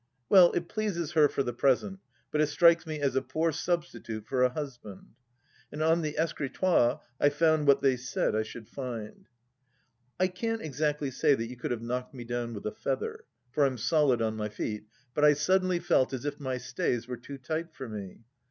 Well, it pleases her, for the present, but it strikes me as a poor substitute for a husband. And on the escritoire I found what they said I should find. I can't exactly say that you could have knocked me down with a feather, for I'm solid on my feet, but I suddenly felt as if my stays were too tight for me.